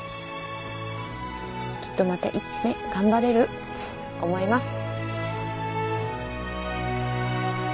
きっとまた１年頑張れるっち思います。